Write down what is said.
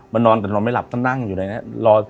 นอนแต่นอนไม่หลับต้องนั่งอยู่ในนี้